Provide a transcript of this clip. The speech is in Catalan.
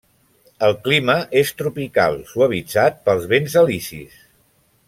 El clima és tropical suavitzat pels vents alisis.